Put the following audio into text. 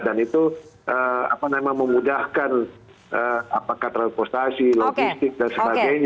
dan itu memang memudahkan apakah transportasi logistik dan sebagainya